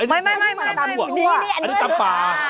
อันนี้ตำปลา